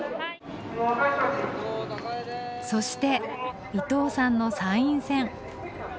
そして伊藤さんの参院選。